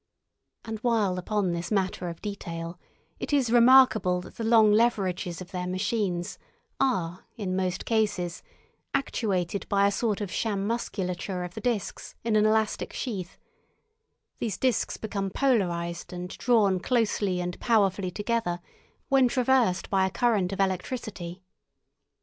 And while upon this matter of detail, it is remarkable that the long leverages of their machines are in most cases actuated by a sort of sham musculature of the disks in an elastic sheath; these disks become polarised and drawn closely and powerfully together when traversed by a current of electricity.